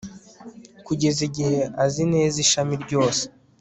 kugeza igihe azi neza ishami ryose